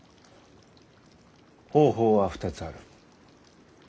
方法は２つある。